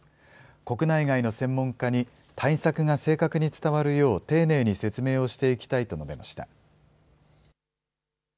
国内外の専門家に、対策が正確に伝わるよう丁寧に説明をしていきたいと述べました。